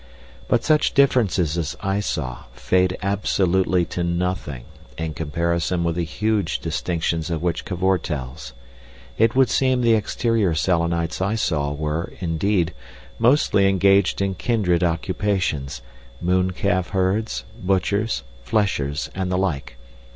But such differences as I saw fade absolutely to nothing in comparison with the huge distinctions of which Cavor tells. It would seem the exterior Selenites I saw were, indeed, mostly engaged in kindred occupations—mooncalf herds, butchers, fleshers, and the like.